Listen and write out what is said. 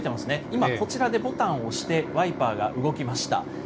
今、こちらでボタンを押してワイパーが動きました。